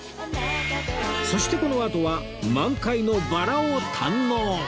そしてこのあとは満開のバラを堪能！